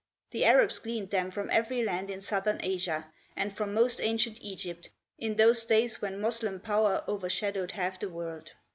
The Arabs gleaned them from every land in southern Asia, and from most ancient Egypt, in those days when Moslem power over shadowed half the world.